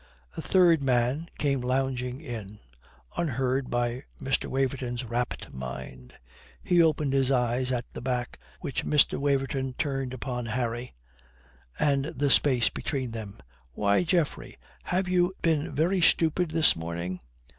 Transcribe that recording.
A third man came lounging in, unheard by Mr. Waverton's rapt mind. He opened his eyes at the back which Mr. Waverton turned upon Harry and the space between them. "Why, Geoffrey, have you been very stupid this morning?